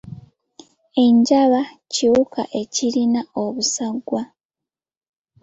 Enjaba kiwuka ekirina obusagwa.